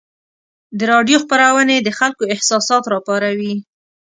د راډیو خپرونې د خلکو احساسات راپاروي.